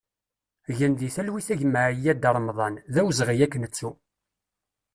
Gen di talwit a gma Ayad Remḍan, d awezɣi ad k-nettu!